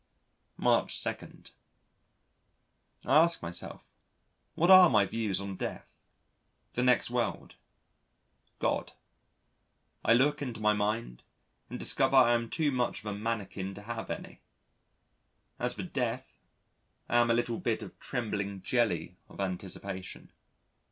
March 2. I ask myself: what are my views on death, the next world, God? I look into my mind and discover I am too much of a mannikin to have any. As for death, I am a little bit of trembling jelly of anticipation.